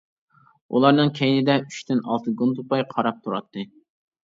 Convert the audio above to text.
ئۇلارنىڭ كەينىدە ئۈچتىن ئالتە گۇندىپاي قاراپ تۇراتتى.